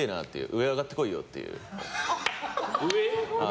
上へ上がってこいよっていう。